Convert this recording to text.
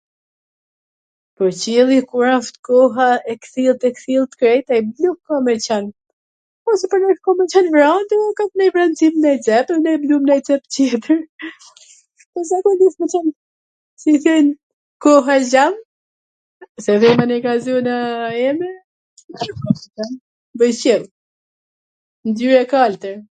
Boj qielli kur asht koha e kthjellt e kthjellt krejt e nuk ka me qen, ... me qen vrant e kap nonj vransin nonj gjw e lujm nanj gjw tjetwr, po zakonisht m pwlqen si i then koha e gjan se themi andej nga zona eme boj qelli, ngjyra e kaltwr